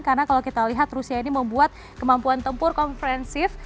karena kalau kita lihat rusia ini membuat kemampuan tempur konferensif